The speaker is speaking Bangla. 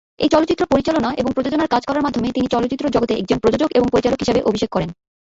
এই চলচ্চিত্র পরিচালনা এবং প্রযোজনার কাজ করার মাধ্যমে তিনি চলচ্চিত্র জগতে একজন প্রযোজক এবং পরিচালক হিসেবে অভিষেক করেন।